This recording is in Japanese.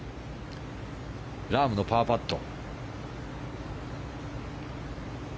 ラームのパーパット。